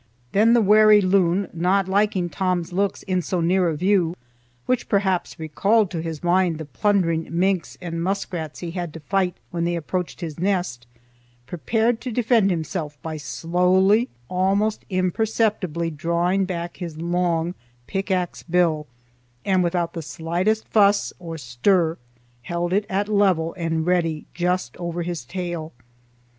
Then the wary loon, not liking Tom's looks in so near a view, which perhaps recalled to his mind the plundering minks and muskrats he had to fight when they approached his nest, prepared to defend himself by slowly, almost imperceptibly drawing back his long pickaxe bill, and without the slightest fuss or stir held it level and ready just over his tail.